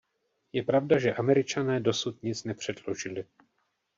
Je pravda, že Američané dosud nic nepředložili.